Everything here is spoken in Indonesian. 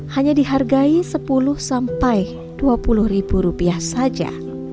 hanya dihargai sepuluh sampai dua puluh ribu rupiah saja